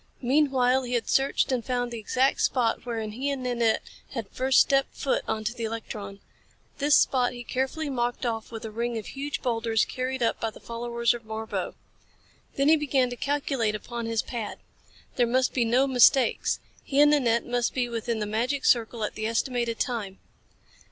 Meanwhile he had searched and found the exact spot wherein he and Nanette had first stepped foot onto the electron. This spot he carefully marked off with a ring of huge boulders carried up by the followers of Marbo. Then he began to calculate upon his pad. There must be no mistakes. He and Nanette must be within the magic circle at the estimated time.